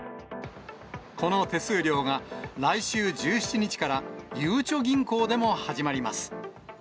この手数料が来週１７日から、ゆうちょ銀行でも始まります。